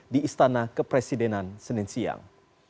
di istana kepresidenan senin siang